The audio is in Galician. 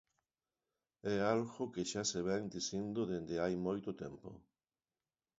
É algo que xa se vén dicindo dende hai moito tempo.